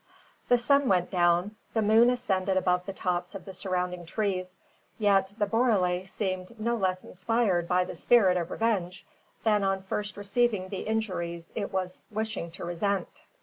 The sun went down, the moon ascended above the tops of the surrounding trees, yet the borele seemed no less inspired by the spirit of revenge than on first receiving the injuries it was wishing to resent.